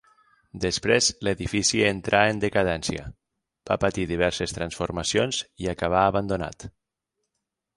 Després l'edifici entrà en decadència, va patir diverses transformacions i acabà abandonat.